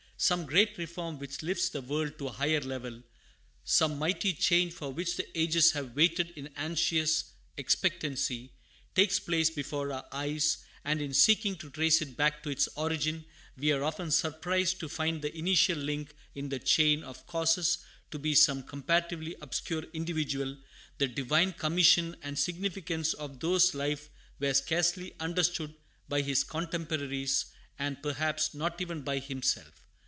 Some great reform which lifts the world to a higher level, some mighty change for which the ages have waited in anxious expectancy, takes place before our eyes, and, in seeking to trace it back to its origin, we are often surprised to find the initial link in the chain of causes to be some comparatively obscure individual, the divine commission and significance of whose life were scarcely understood by his contemporaries, and perhaps not even by himself.